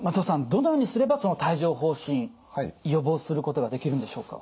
どのようにすればその帯状ほう疹予防することができるんでしょうか？